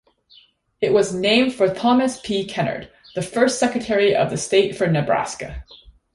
It was named for Thomas P. Kennard, the first Secretary of State for Nebraska.